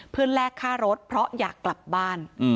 เพื่อแลกค่ารถเพราะอยากกลับบ้าน